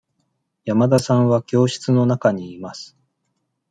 山田さんは教室の中にいます。